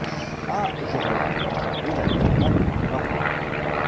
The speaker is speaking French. Ah! j’aurai vite enjambé l’intervalle, va !